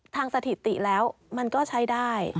สถิติแล้วมันก็ใช้ได้